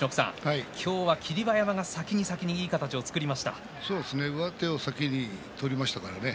今日は霧馬山が先に先に上手を先に取りましたからね。